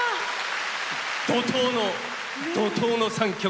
怒とうの怒とうの３曲連続。